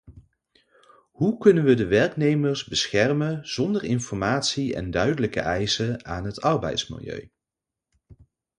Hoe kunnen we de werknemers beschermen zonder informatie en duidelijke eisen aan het arbeidsmilieu?